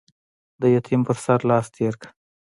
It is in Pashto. د يتيم پر سر لاس تېر کړه.